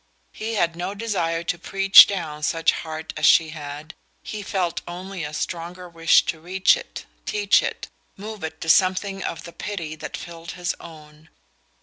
He had no desire to "preach down" such heart as she had he felt only a stronger wish to reach it, teach it, move it to something of the pity that filled his own.